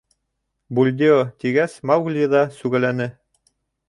— Бульдео, — тигәс, Маугли ҙа сүгәләне.